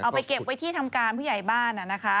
ไปเก็บไว้ที่ทำการผู้ใหญ่บ้านนะคะ